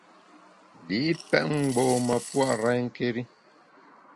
Li’ pèt mgbom-a pua’ renké́ri.